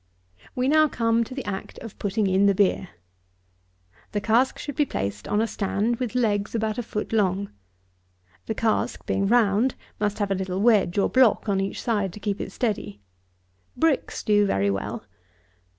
We now come to the act of putting in the beer. The cask should be placed on a stand with legs about a foot long. The cask, being round, must have a little wedge, or block, on each side to keep it steady. Bricks do very well.